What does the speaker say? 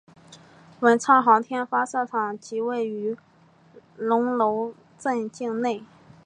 文昌航天发射场即位于龙楼镇境内。